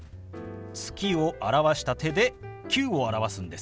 「月」を表した手で「９」を表すんです。